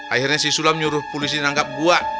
akhirnya si sulam nyuruh polisi nanggap gua